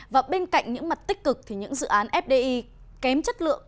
và bên cạnh những mặt tích cực thì những dự án fdi kém chất lượng